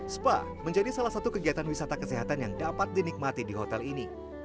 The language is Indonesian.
spa menjadi salah satu kegiatan wisata kesehatan yang dapat dinikmati di hotel ini